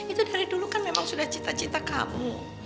itu dari dulu kan memang sudah cita cita kamu